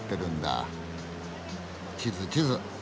地図地図。